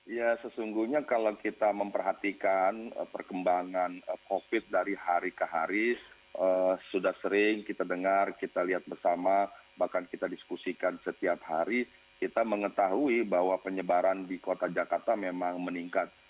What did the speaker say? ya sesungguhnya kalau kita memperhatikan perkembangan covid dari hari ke hari sudah sering kita dengar kita lihat bersama bahkan kita diskusikan setiap hari kita mengetahui bahwa penyebaran di kota jakarta memang meningkat